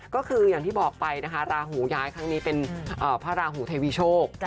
ก็คืออย่างที่บอกไปนะคะราหูย้ายครั้งนี้เป็นพระราหูเทวีโชค